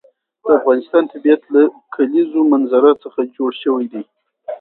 د افغانستان طبیعت له د کلیزو منظره څخه جوړ شوی دی.